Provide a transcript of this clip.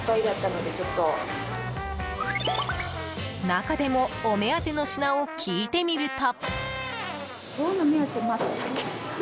中でもお目当ての品を聞いてみると。